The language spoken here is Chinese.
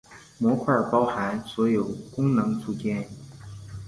模块包含所有功能组件。